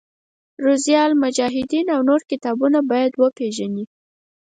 روضة المجاهدین او نور کتابونه باید وپېژني.